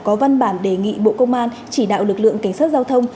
có văn bản đề nghị bộ công an chỉ đạo lực lượng cảnh sát giao thông